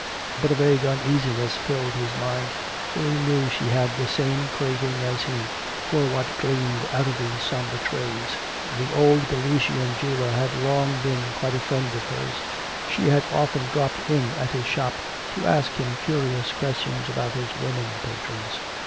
But a vague uneasiness filled his mind, for he knew she had the same craving as he for what gleamed out of these somber trays. The old Galician jeweler had long been quite a friend of hers, she had often dropped in at his shop to ask him curious questions about his women patrons.